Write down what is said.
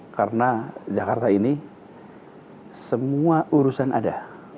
karena jakarta ini semua urusan ada